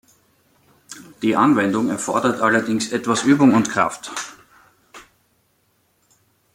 Die Anwendung erfordert allerdings etwas Übung und Kraft.